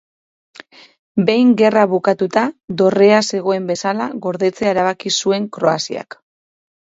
Behin gerra bukatuta, dorrea zegoen bezala gordetzea erabaki zuen Kroaziak.